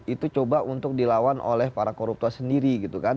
itu coba untuk dilawan oleh para koruptor sendiri gitu kan